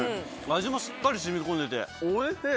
味もしっかり染み込んでておいしい。